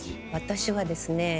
私はですね